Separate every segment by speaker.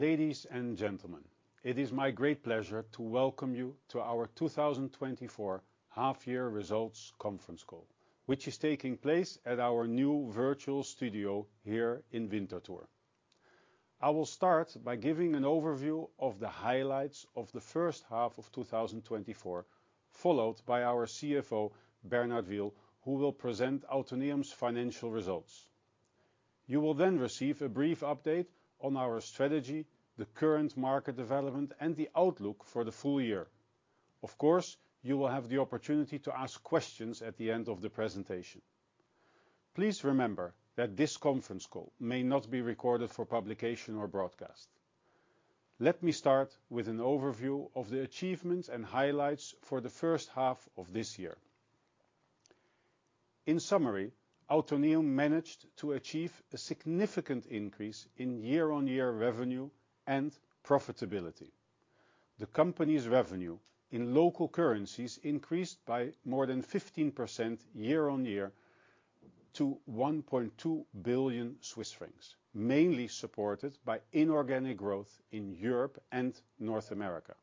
Speaker 1: Ladies and gentlemen, it is my great pleasure to welcome you to our 2024 half-year results conference call, which is taking place at our new virtual studio here in Winterthur. I will start by giving an overview of the highlights of the first half of 2024, followed by our CFO, Bernhard Wiehl, who will present Autoneum's financial results. You will then receive a brief update on our strategy, the current market development, and the outlook for the full year. Of course, you will have the opportunity to ask questions at the end of the presentation. Please remember that this conference call may not be recorded for publication or broadcast. Let me start with an overview of the achievements and highlights for the first half of this year. In summary, Autoneum managed to achieve a significant increase in year-on-year revenue and profitability. The company's revenue in local currencies increased by more than 15% year-on-year to 1.2 billion Swiss francs, mainly supported by inorganic growth in Europe and North America.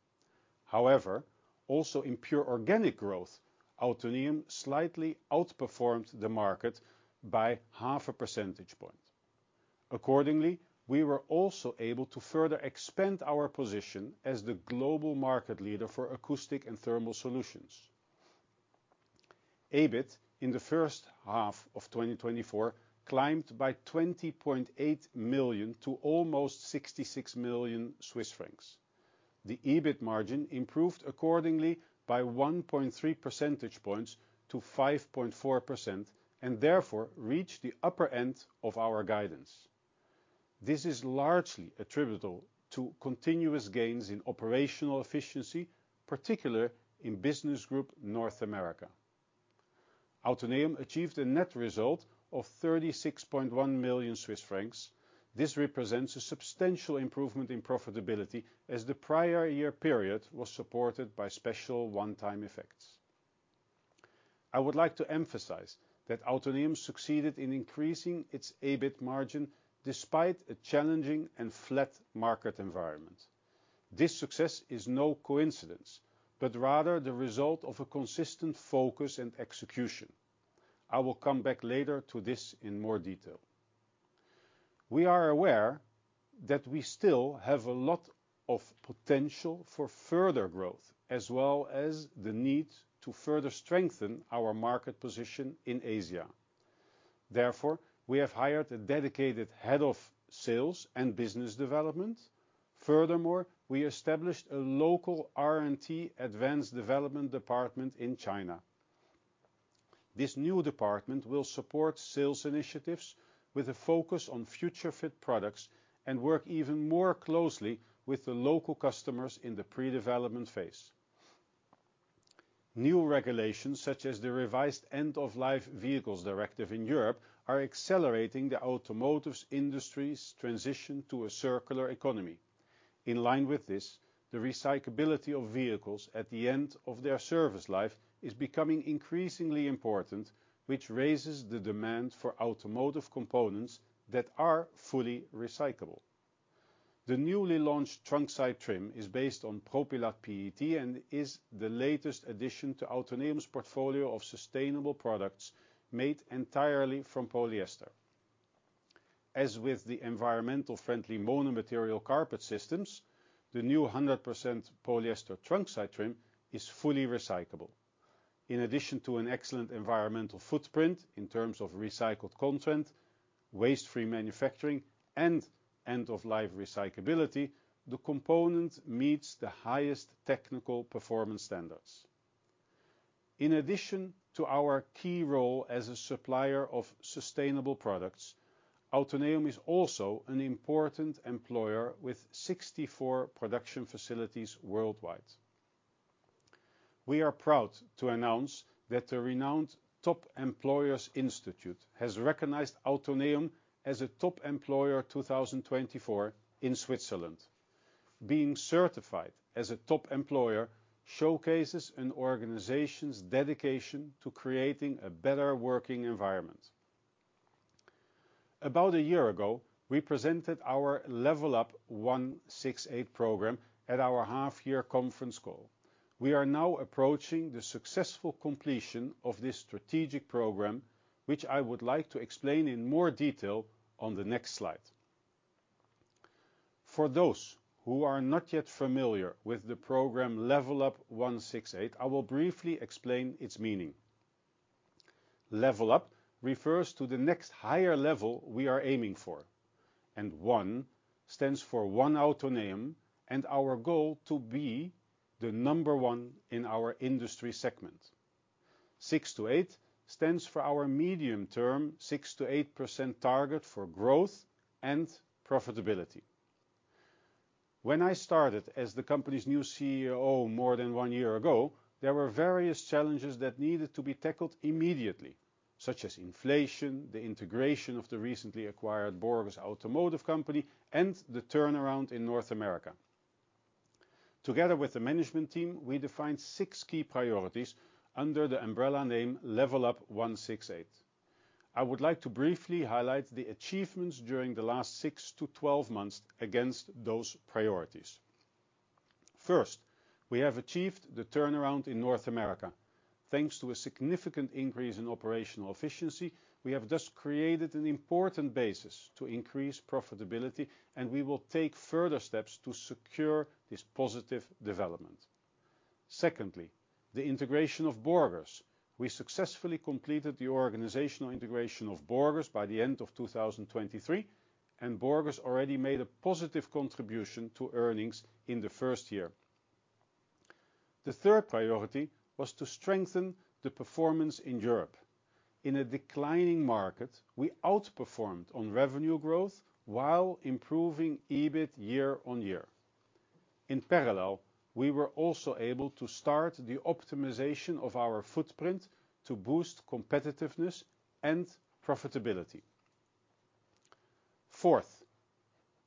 Speaker 1: However, also in pure organic growth, Autoneum slightly outperformed the market by half a percentage point. Accordingly, we were also able to further expand our position as the global market leader for acoustic and thermal solutions. EBIT in the first half of 2024 climbed by 20.8 million to almost 66 million Swiss francs. The EBIT margin improved accordingly by 1.3 percentage points to 5.4%, and therefore, reached the upper end of our guidance. This is largely attributable to continuous gains in operational efficiency, particularly in Business Group North America. Autoneum achieved a net result of 36.1 million Swiss francs. This represents a substantial improvement in profitability, as the prior year period was supported by special one-time effects. I would like to emphasize that Autoneum succeeded in increasing its EBIT margin despite a challenging and flat market environment. This success is no coincidence, but rather the result of a consistent focus and execution. I will come back later to this in more detail. We are aware that we still have a lot of potential for further growth, as well as the need to further strengthen our market position in Asia. Therefore, we have hired a dedicated head of sales and business development. Furthermore, we established a local R&T advanced development department in China. This new department will support sales initiatives with a focus on future-fit products and work even more closely with the local customers in the pre-development phase. New regulations, such as the revised End-of-Life Vehicles Directive in Europe, are accelerating the automotive industry's transition to a circular economy. In line with this, the recyclability of vehicles at the end of their service life is becoming increasingly important, which raises the demand for automotive components that are fully recyclable. The newly launched trunk side trim is based on Propylat PET, and is the latest addition to Autoneum's portfolio of sustainable products made entirely from polyester. As with the environmentally friendly mono material carpet systems, the new 100% polyester trunk side trim is fully recyclable. In addition to an excellent environmental footprint in terms of recycled content, waste-free manufacturing, and end-of-life recyclability, the component meets the highest technical performance standards. In addition to our key role as a supplier of sustainable products, Autoneum is also an important employer with 64 production facilities worldwide. We are proud to announce that the renowned Top Employers Institute has recognized Autoneum as a Top Employer 2024 in Switzerland. Being certified as a top employer showcases an organization's dedication to creating a better working environment. About a year ago, we presented our Level Up One-6-8 program at our half-year conference call. We are now approaching the successful completion of this strategic program, which I would like to explain in more detail on the next slide. For those who are not yet familiar with the program, Level Up One-6-8, I will briefly explain its meaning. Level Up refers to the next higher level we are aiming for, and One stands for One Autoneum, and our goal to be the number one in our industry segment. Six to eight stands for our medium-term 6%-8% target for growth and profitability. When I started as the company's new CEO more than one year ago, there were various challenges that needed to be tackled immediately, such as inflation, the integration of the recently acquired Borgers Automotive Company, and the turnaround in North America. Together with the management team, we defined six key priorities under the umbrella name Level Up One-6-8. I would like to briefly highlight the achievements during the last 6-12 months against those priorities. First, we have achieved the turnaround in North America. Thanks to a significant increase in operational efficiency, we have thus created an important basis to increase profitability, and we will take further steps to secure this positive development. Secondly, the integration of Borgers. We successfully completed the organizational integration of Borgers by the end of 2023, and Borgers already made a positive contribution to earnings in the first year. The third priority was to strengthen the performance in Europe. In a declining market, we outperformed on revenue growth while improving EBIT year-over-year. In parallel, we were also able to start the optimization of our footprint to boost competitiveness and profitability. Fourth,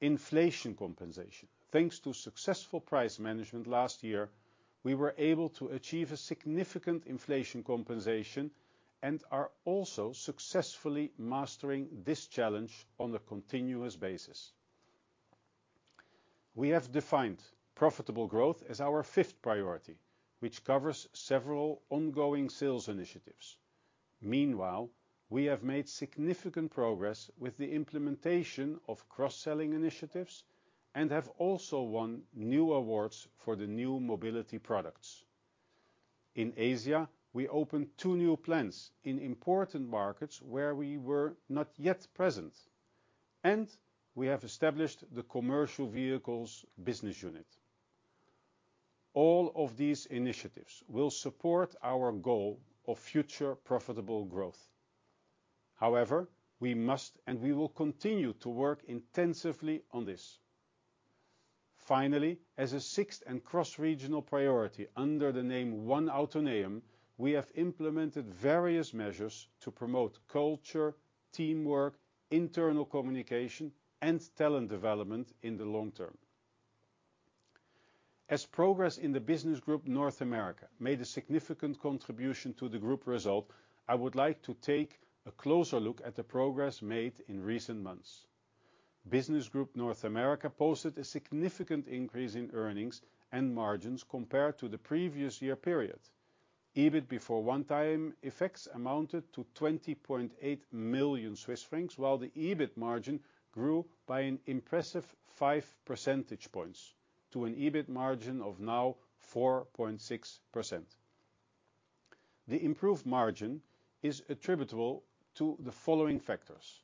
Speaker 1: inflation compensation. Thanks to successful price management last year, we were able to achieve a significant inflation compensation and are also successfully mastering this challenge on a continuous basis. We have defined profitable growth as our fifth priority, which covers several ongoing sales initiatives. Meanwhile, we have made significant progress with the implementation of cross-selling initiatives and have also won new awards for the new mobility products. In Asia, we opened two new plants in important markets where we were not yet present, and we have established the Commercial Vehicles Business Unit. All of these initiatives will support our goal of future profitable growth. However, we must and we will continue to work intensively on this. Finally, as a sixth and cross-regional priority under the name One Autoneum, we have implemented various measures to promote culture, teamwork, internal communication, and talent development in the long term. As progress in the Business Group North America made a significant contribution to the group result, I would like to take a closer look at the progress made in recent months. Business Group North America posted a significant increase in earnings and margins compared to the previous-year period. EBIT before one-time effects amounted to 20.8 million Swiss francs, while the EBIT margin grew by an impressive five percentage points to an EBIT margin of now 4.6%. The improved margin is attributable to the following factors: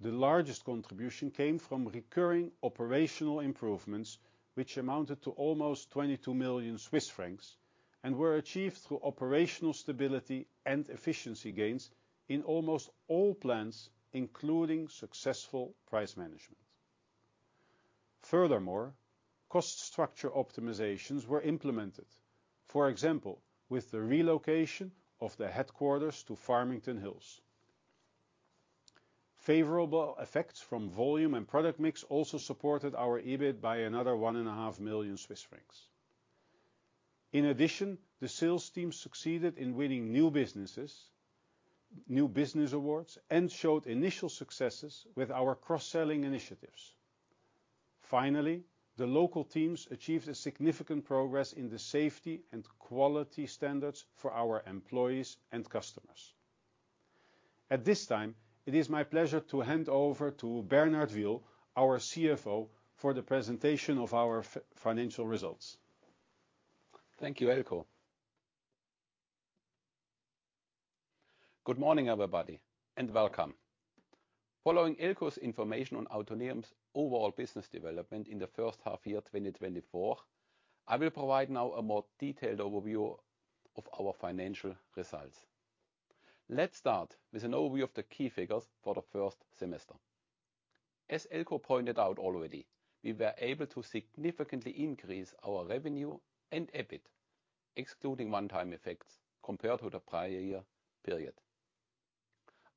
Speaker 1: The largest contribution came from recurring operational improvements, which amounted to almost 22 million Swiss francs and were achieved through operational stability and efficiency gains in almost all plants, including successful price management. Furthermore, cost structure optimizations were implemented, for example, with the relocation of the headquarters to Farmington Hills. Favorable effects from volume and product mix also supported our EBIT by another 1.5 million Swiss francs. In addition, the sales team succeeded in winning new businesses, new business awards, and showed initial successes with our cross-selling initiatives. Finally, the local teams achieved a significant progress in the safety and quality standards for our employees and customers. At this time, it is my pleasure to hand over to Bernhard Wiehl, our CFO, for the presentation of our financial results.
Speaker 2: Thank you, Eelco. Good morning, everybody, and welcome. Following Eelco's information on Autoneum's overall business development in the first half year, 2024, I will provide now a more detailed overview of our financial results. Let's start with an overview of the key figures for the first semester. As Eelco pointed out already, we were able to significantly increase our revenue and EBIT, excluding one-time effects, compared to the prior year period.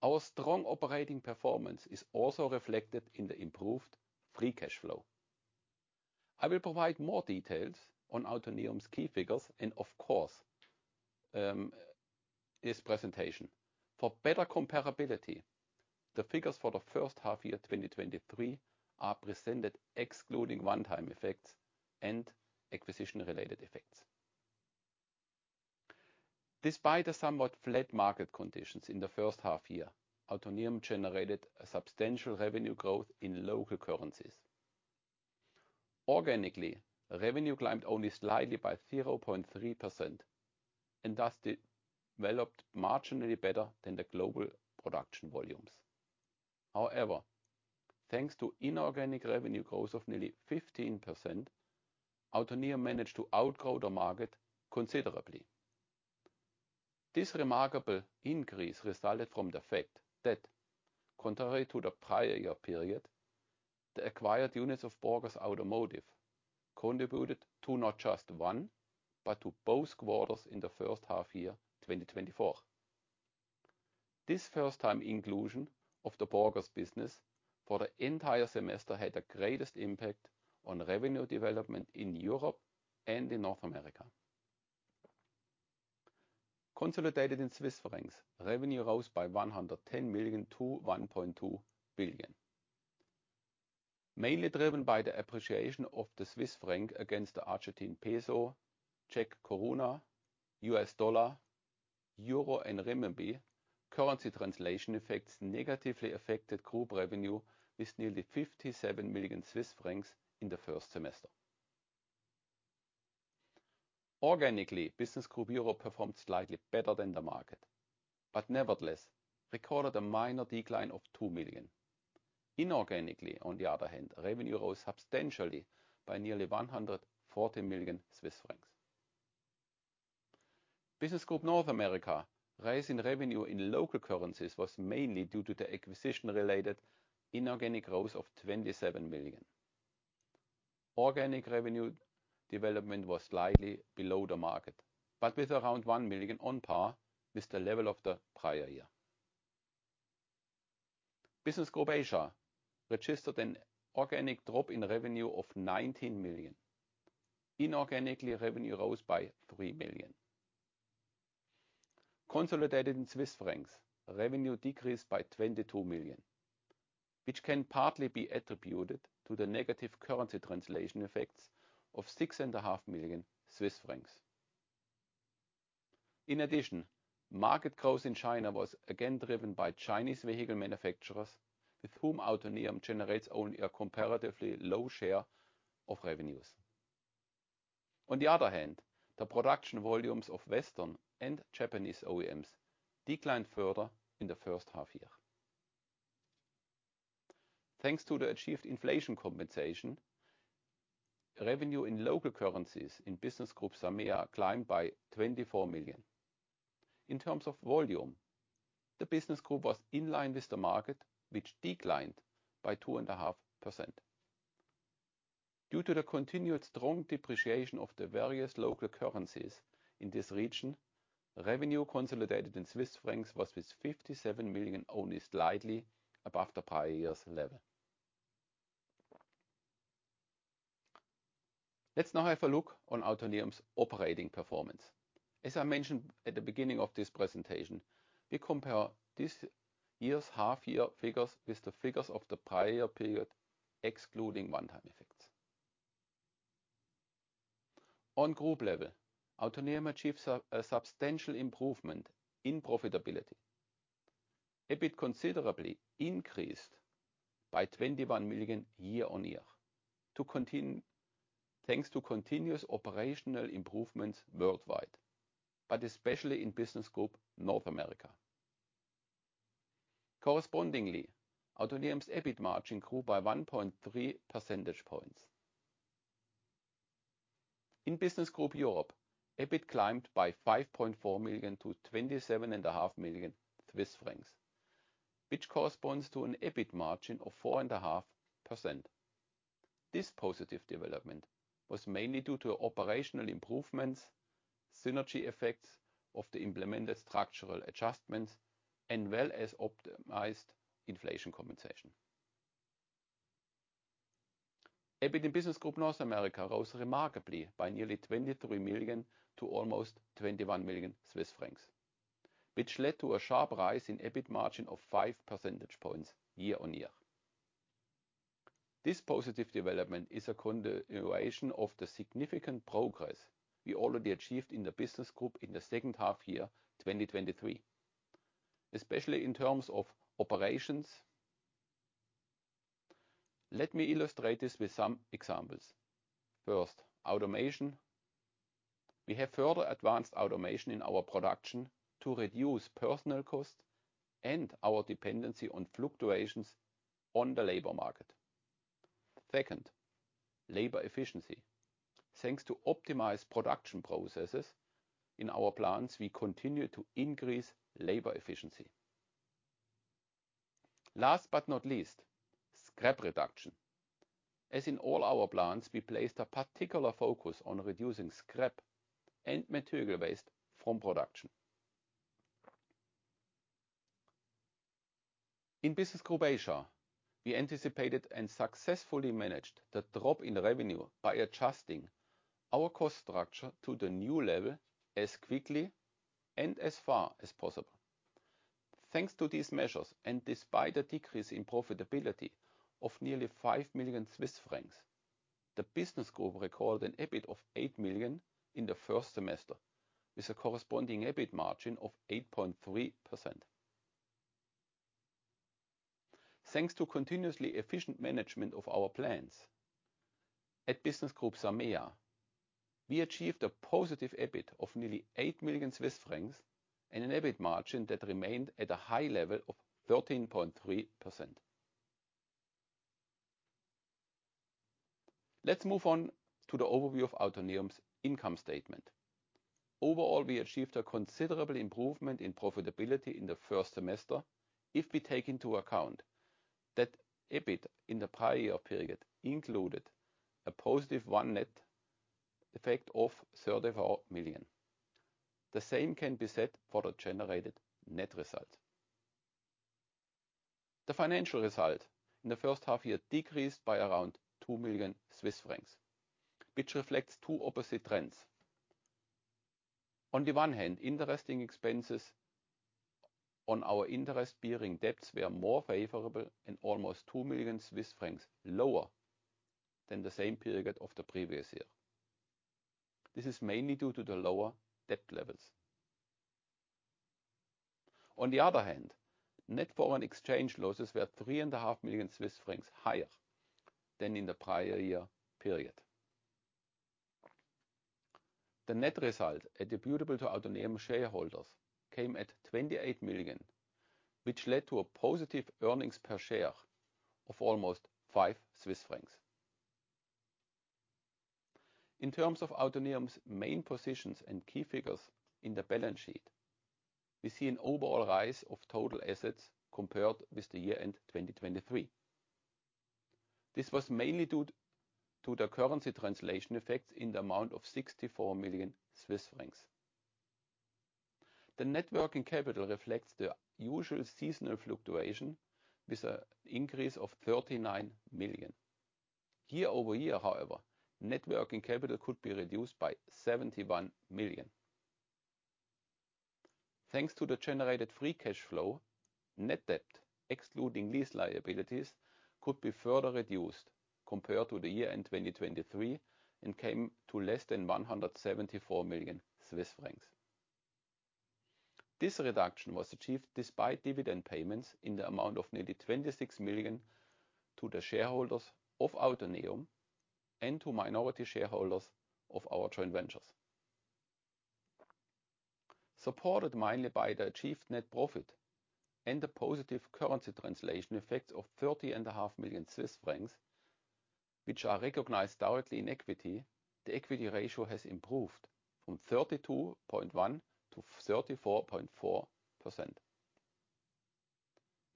Speaker 2: Our strong operating performance is also reflected in the improved free cash flow. I will provide more details on Autoneum's key figures and of course, this presentation. For better comparability, the figures for the first half year, 2023, are presented excluding one-time effects and acquisition-related effects. Despite the somewhat flat market conditions in the first half year, Autoneum generated a substantial revenue growth in local currencies. Organically, revenue climbed only slightly by 0.3% and thus developed marginally better than the global production volumes. However, thanks to inorganic revenue growth of nearly 15%, Autoneum managed to outgrow the market considerably. This remarkable increase resulted from the fact that, contrary to the prior year period, the acquired units of Borgers Automotive contributed to not just one, but to both quarters in the first half year, 2024. This first-time inclusion of the Borgers business for the entire semester had the greatest impact on revenue development in Europe and in North America. Consolidated in Swiss francs, revenue rose by 110 million-1.2 billion. Mainly driven by the appreciation of the Swiss franc against the Argentine peso, Czech koruna, US dollar, euro, and renminbi, currency translation effects negatively affected group revenue with nearly 57 million Swiss francs in the first semester. Organically, Business Group Europe performed slightly better than the market, but nevertheless, recorded a minor decline of 2 million. Inorganically, on the other hand, revenue rose substantially by nearly 140 million Swiss francs. Business Group North America, rise in revenue in local currencies was mainly due to the acquisition-related inorganic growth of 27 million. Organic revenue development was slightly below the market, but with around 1 million on par with the level of the prior year. Business Group Asia registered an organic drop in revenue of 19 million. Inorganically, revenue rose by 3 million. Consolidated in Swiss francs, revenue decreased by 22 million, which can partly be attributed to the negative currency translation effects of 6.5 million Swiss francs. In addition, market growth in China was again driven by Chinese vehicle manufacturers, with whom Autoneum generates only a comparatively low share of revenues. On the other hand, the production volumes of Western and Japanese OEMs declined further in the first half year. Thanks to the achieved inflation compensation, revenue in local currencies in Business Group SAMEA climbed by 24 million. In terms of volume, the business group was in line with the market, which declined by 2.5%. Due to the continued strong depreciation of the various local currencies in this region, revenue consolidated in Swiss francs was, with 57 million, only slightly above the prior year's level. Let's now have a look on Autoneum's operating performance. As I mentioned at the beginning of this presentation, we compare this year's half-year figures with the figures of the prior period, excluding one-time effects. On group level, Autoneum achieved a substantial improvement in profitability. EBIT considerably increased by 21 million year-on-year, thanks to continuous operational improvements worldwide, but especially in Business Group North America. Correspondingly, Autoneum's EBIT margin grew by 1.3 percentage points. In Business Group Europe, EBIT climbed by 5.4 million to 27.5 million Swiss francs, which corresponds to an EBIT margin of 4.5%. This positive development was mainly due to operational improvements, synergy effects of the implemented structural adjustments, as well as optimized inflation compensation. EBIT in Business Group North America rose remarkably by nearly 23 million to almost 21 million Swiss francs, which led to a sharp rise in EBIT margin of 5 percentage points year-on-year. This positive development is a continuation of the significant progress we already achieved in the business group in the second half year, 2023, especially in terms of operations. Let me illustrate this with some examples. First, automation. We have further advanced automation in our production to reduce personal cost and our dependency on fluctuations on the labor market. Second, labor efficiency. Thanks to optimized production processes in our plants, we continue to increase labor efficiency. Last but not least, scrap reduction. As in all our plants, we placed a particular focus on reducing scrap and material waste from production. In Business Group Asia, we anticipated and successfully managed the drop in revenue by adjusting our cost structure to the new level as quickly and as far as possible. Thanks to these measures, and despite a decrease in profitability of nearly 5 million Swiss francs, the business group recorded an EBIT of 8 million in the first semester, with a corresponding EBIT margin of 8.3%. Thanks to continuously efficient management of our plants at Business Group SAMEA, we achieved a positive EBIT of nearly 8 million Swiss francs and an EBIT margin that remained at a high level of 13.3%. Let's move on to the overview of Autoneum's income statement. Overall, we achieved a considerable improvement in profitability in the first semester if we take into account that EBIT in the prior period included a positive one net effect of 34 million. The same can be said for the generated net result. The financial result in the first half year decreased by around 2 million Swiss francs, which reflects two opposite trends. On the one hand, interest expenses on our interest-bearing debts were more favorable and almost 2 million Swiss francs lower than the same period of the previous year. This is mainly due to the lower debt levels. On the other hand, net foreign exchange losses were 3.5 million Swiss francs higher than in the prior year period. The net result attributable to Autoneum shareholders came at 28 million, which led to a positive earnings per share of almost 5 Swiss francs. In terms of Autoneum's main positions and key figures in the balance sheet, we see an overall rise of total assets compared with the year-end 2023. This was mainly due to the currency translation effects in the amount of 64 million Swiss francs. The net working capital reflects the usual seasonal fluctuation, with a increase of 39 million. Year-over-year, however, net working capital could be reduced by 71 million. Thanks to the generated free cash flow, net debt, excluding lease liabilities, could be further reduced compared to the year-end 2023, and came to less than 174 million Swiss francs. This reduction was achieved despite dividend payments in the amount of nearly 26 million to the shareholders of Autoneum and to minority shareholders of our joint ventures. Supported mainly by the achieved net profit and the positive currency translation effects of 30.5 million Swiss francs, which are recognized directly in equity, the equity ratio has improved from 32.1%-34.4%.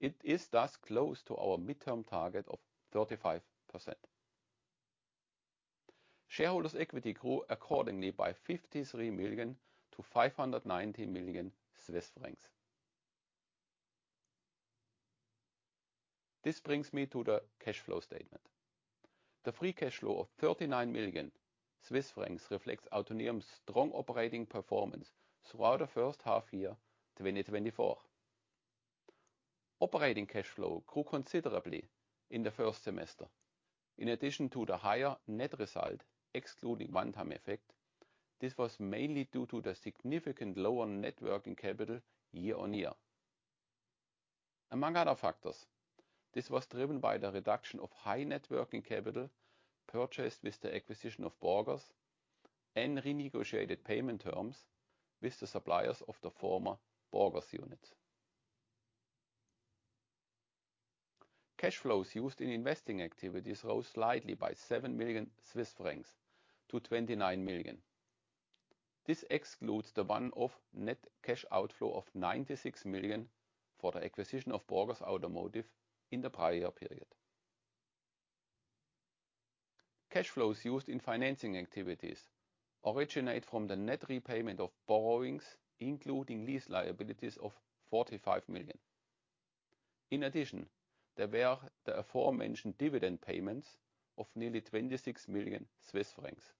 Speaker 2: It is thus close to our midterm target of 35%. Shareholders' equity grew accordingly by 53 million to 590 million Swiss francs. This brings me to the cash flow statement. The free cash flow of 39 million Swiss francs reflects Autoneum's strong operating performance throughout the first half year, 2024. Operating cash flow grew considerably in the first semester. In addition to the higher net result, excluding one-time effect, this was mainly due to the significant lower net working capital year-on-year. Among other factors, this was driven by the reduction of high net working capital purchased with the acquisition of Borgers and renegotiated payment terms with the suppliers of the former Borgers unit. Cash flows used in investing activities rose slightly by 7 million-29 million Swiss francs. This excludes the one-off net cash outflow of 96 million for the acquisition of Borgers Automotive in the prior period. Cash flows used in financing activities originate from the net repayment of borrowings, including lease liabilities of 45 million. In addition, there were the aforementioned dividend payments of nearly 26 million Swiss francs.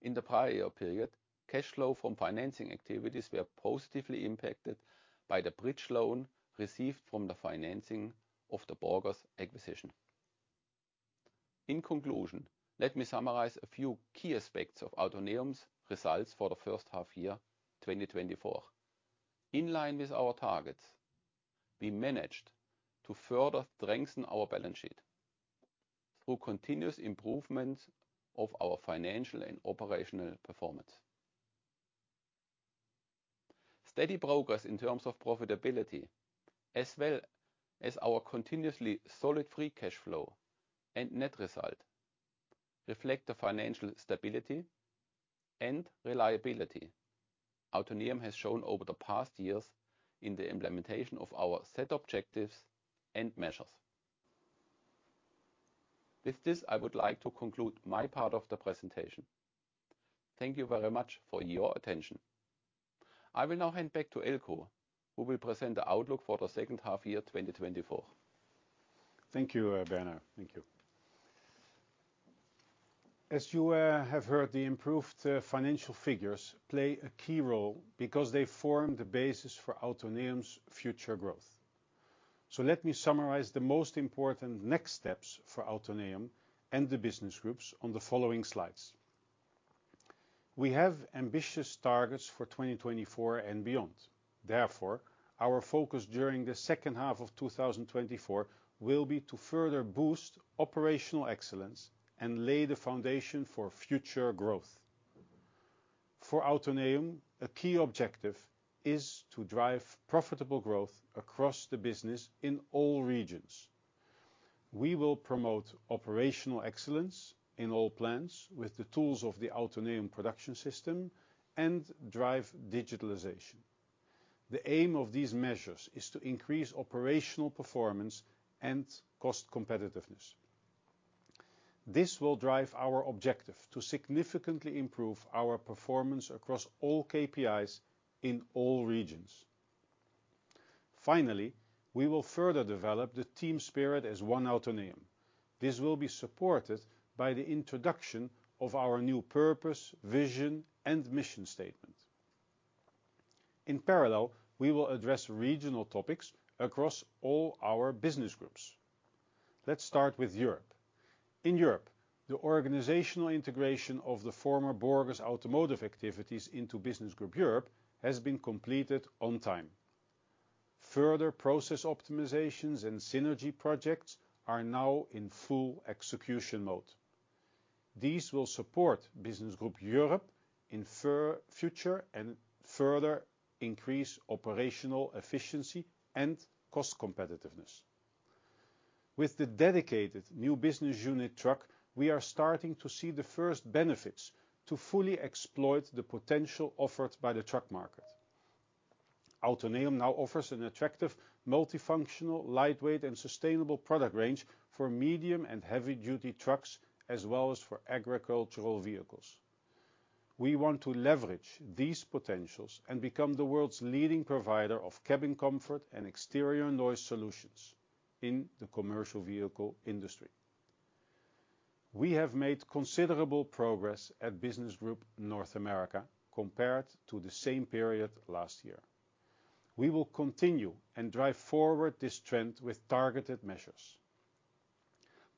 Speaker 2: In the prior year period, cash flow from financing activities were positively impacted by the bridge loan received from the financing of the Borgers acquisition. In conclusion, let me summarize a few key aspects of Autoneum's results for the first half year, 2024. In line with our targets, we managed to further strengthen our balance sheet through continuous improvement of our financial and operational performance. Steady progress in terms of profitability, as well as our continuously solid free cash flow and net result, reflect the financial stability and reliability Autoneum has shown over the past years in the implementation of our set objectives and measures. With this, I would like to conclude my part of the presentation. Thank you very much for your attention. I will now hand back to Eelco, who will present the outlook for the second half year, 2024.
Speaker 1: Thank you, Bernhard. Thank you. As you have heard, the improved financial figures play a key role because they form the basis for Autoneum's future growth. Let me summarize the most important next steps for Autoneum and the business groups on the following slides. We have ambitious targets for 2024 and beyond. Therefore, our focus during the second half of 2024 will be to further boost operational excellence and lay the foundation for future growth. For Autoneum, a key objective is to drive profitable growth across the business in all regions. We will promote operational excellence in all plants with the tools of the Autoneum production system and drive digitalization. The aim of these measures is to increase operational performance and cost competitiveness. This will drive our objective to significantly improve our performance across all KPIs in all regions. Finally, we will further develop the team spirit as One Autoneum. This will be supported by the introduction of our new purpose, vision, and mission statement. In parallel, we will address regional topics across all our business groups. Let's start with Europe. In Europe, the organizational integration of the former Borgers Automotive activities into Business Group Europe has been completed on time. Further process optimizations and synergy projects are now in full execution mode. These will support Business Group Europe in future, and further increase operational efficiency and cost competitiveness. With the dedicated new Business Unit Truck, we are starting to see the first benefits to fully exploit the potential offered by the truck market. Autoneum now offers an attractive, multifunctional, lightweight, and sustainable product range for medium and heavy-duty trucks, as well as for agricultural vehicles. We want to leverage these potentials and become the world's leading provider of cabin comfort and exterior noise solutions in the commercial vehicle industry. We have made considerable progress at Business Group North America compared to the same period last year. We will continue and drive forward this trend with targeted measures.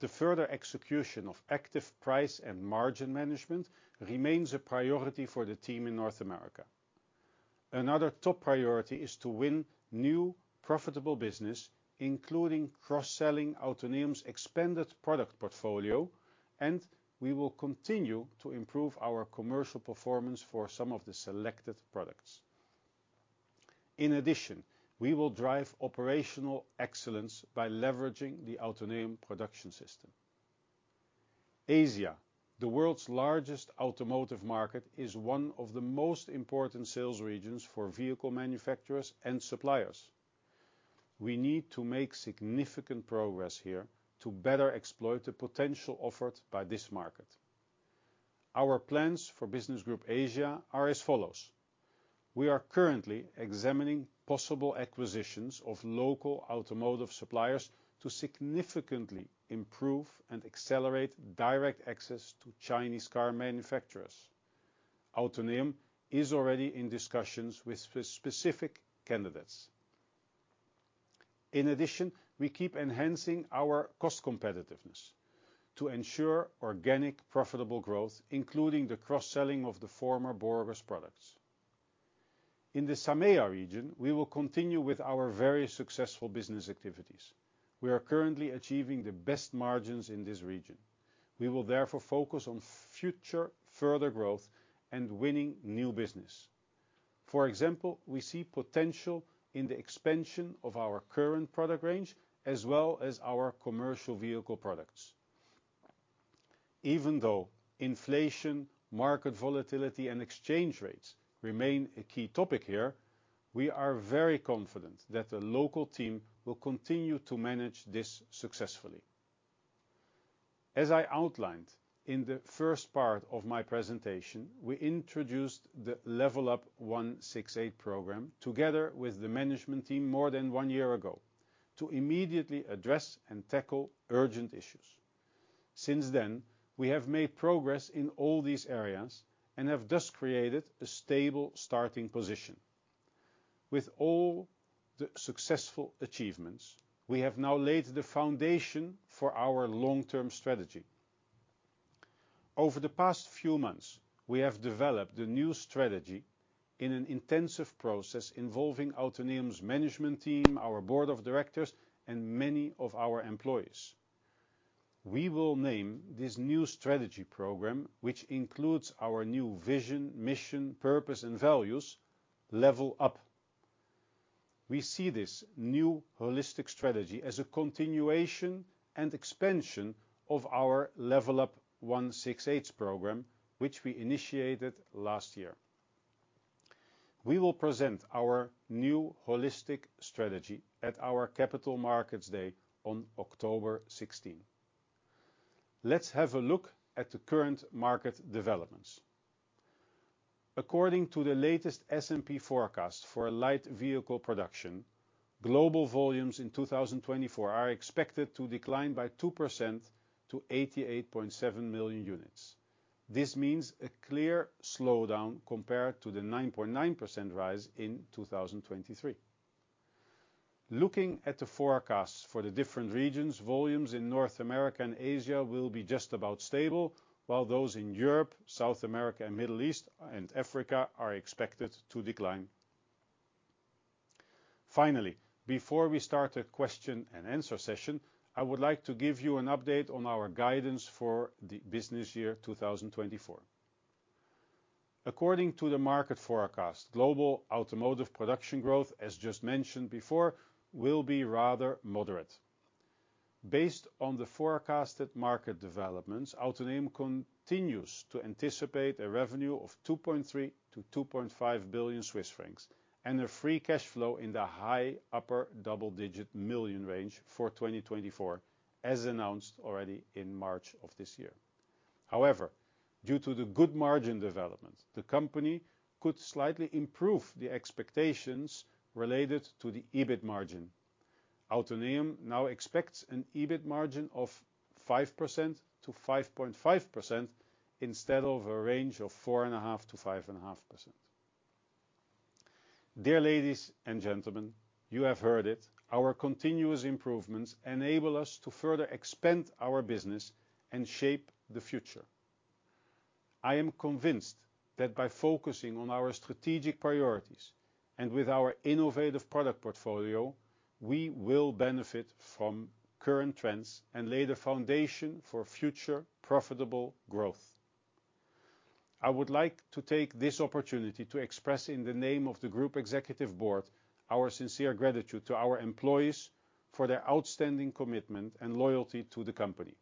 Speaker 1: The further execution of active price and margin management remains a priority for the team in North America. Another top priority is to win new, profitable business, including cross-selling Autoneum's expanded product portfolio, and we will continue to improve our commercial performance for some of the selected products. In addition, we will drive operational excellence by leveraging the Autoneum production system. Asia, the world's largest automotive market, is one of the most important sales regions for vehicle manufacturers and suppliers. We need to make significant progress here to better exploit the potential offered by this market. Our plans for Business Group Asia are as follows: We are currently examining possible acquisitions of local automotive suppliers to significantly improve and accelerate direct access to Chinese car manufacturers. Autoneum is already in discussions with specific candidates. In addition, we keep enhancing our cost competitiveness to ensure organic, profitable growth, including the cross-selling of the former Borgers products. In the SAMEA region, we will continue with our very successful business activities. We are currently achieving the best margins in this region. We will therefore focus on future further growth and winning new business. For example, we see potential in the expansion of our current product range, as well as our commercial vehicle products. Even though inflation, market volatility, and exchange rates remain a key topic here, we are very confident that the local team will continue to manage this successfully. As I outlined in the first part of my presentation, we introduced the Level Up One-6-8 program together with the management team more than one year ago, to immediately address and tackle urgent issues. Since then, we have made progress in all these areas and have thus created a stable starting position. With all the successful achievements, we have now laid the foundation for our long-term strategy. Over the past few months, we have developed a new strategy in an intensive process involving Autoneum's management team, our board of directors, and many of our employees. We will name this new strategy program, which includes our new vision, mission, purpose, and values: Level Up. We see this new holistic strategy as a continuation and expansion of our Level Up One-6-8 program, which we initiated last year. We will present our new holistic strategy at our Capital Markets Day on October 16. Let's have a look at the current market developments. According to the latest S&P forecast for light vehicle production, global volumes in 2024 are expected to decline by 2% to 88.7 million units. This means a clear slowdown compared to the 9.9% rise in 2023. Looking at the forecast for the different regions, volumes in North America and Asia will be just about stable, while those in Europe, South America, and Middle East and Africa are expected to decline. Finally, before we start a question-and-answer session, I would like to give you an update on our guidance for the business year 2024. According to the market forecast, global automotive production growth, as just mentioned before, will be rather moderate. Based on the forecasted market developments, Autoneum continues to anticipate a revenue of 2.3 billion-2.5 billion Swiss francs, and a free cash flow in the high upper double-digit million range for 2024, as announced already in March of this year. However, due to the good margin development, the company could slightly improve the expectations related to the EBIT margin. Autoneum now expects an EBIT margin of 5%-5.5%, instead of a range of 4.5%-5.5%. Dear ladies and gentlemen, you have heard it. Our continuous improvements enable us to further expand our business and shape the future. I am convinced that by focusing on our strategic priorities and with our innovative product portfolio, we will benefit from current trends and lay the foundation for future profitable growth. I would like to take this opportunity to express, in the name of the Group Executive Board, our sincere gratitude to our employees for their outstanding commitment and loyalty to the company.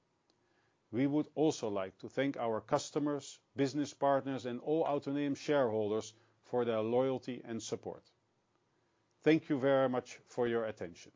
Speaker 1: We would also like to thank our customers, business partners, and all Autoneum shareholders for their loyalty and support. Thank you very much for your attention.